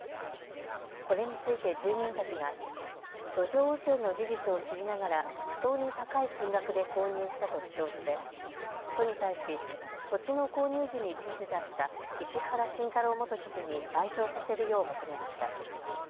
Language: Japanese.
これについて住民たちが土壌汚染の事実を知りながら不当に高い金額で購入したと主張して都に対し土地の購入時に知事だった石原慎太郎元知事に賠償させるよう求めました。